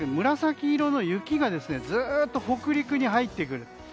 紫色の雪がずっと北陸に入ってくる。